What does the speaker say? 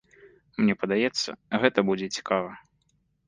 Мне падаецца, гэта будзе цікава.